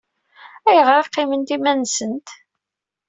Ayɣer i qqiment iman-nsent?